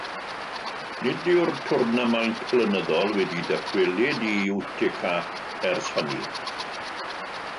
Nid yw'r twrnamaint blynyddol wedi dychwelyd i Utica ers hynny.